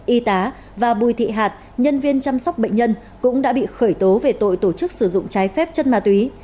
y tá và bùi thị hạt nhân viên chăm sóc bệnh nhân cũng đã bị khởi tố về tội tổ chức sử dụng trái phép chất ma túy